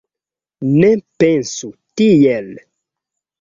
Ne pensu tiel